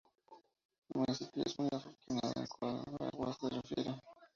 El Municipio es muy afortunado en cuanto a aguas se refiere.